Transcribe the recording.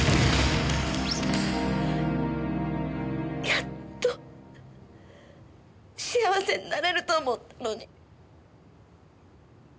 やっと幸せになれると思ったのに。